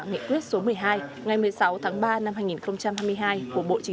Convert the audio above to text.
nghị quyết số một mươi hai ngày một mươi sáu tháng ba năm hai nghìn hai mươi hai của bộ chính